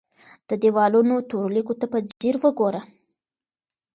د دیوالونو تورو لیکو ته په ځیر وګوره.